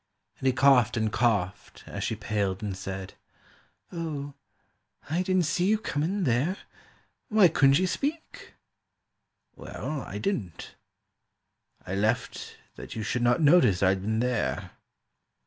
And he coughed and coughed as she paled and said, "O, I didn't see you come in there— Why couldn't you speak?"—"Well, I didn't. I left That you should not notice I'd been there.